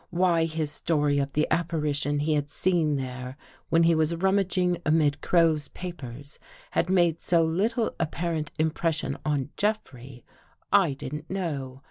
Why his story of the apparition he had seen there when he was rummaging amid Crow's papers had made so little apparent impression on Jeffrey, I didn't know.